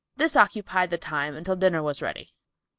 This occupied the time until dinner was ready.